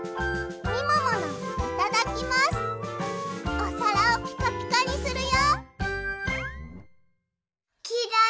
おさらをピカピカにするよ！